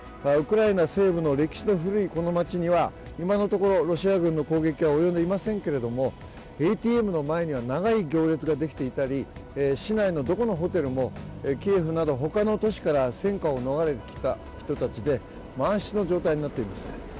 ウクライナ西部の歴史の古いこの町には今のところ、ロシア軍の攻撃は及んでいませんけどＡＴＭの前には長い行列ができていたり、市内のどこのホテルもキエフなど他の都市から戦火を逃れてきた人たちで満室の状態になっています。